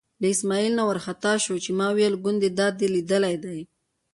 له اسمعیل نه وار خطا شو چې ما ویل ګوندې دا دې لیدلی دی.